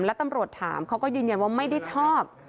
แล้วตำรวจถามเขาก็ยืนยันว่าไม่ได้ชอบ